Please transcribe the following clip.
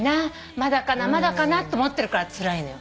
まだかなまだかなって思ってるからつらいのよ。